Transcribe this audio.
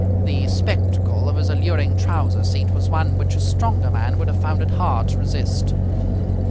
The spectacle of his alluring trouser seat was one which a stronger man would have found it hard to resist.